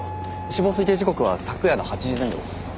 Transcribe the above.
死亡推定時刻は昨夜の８時前後です。